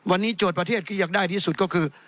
วันนี้โจทย์ประเทศที่อยากได้ที่สุดก็คือ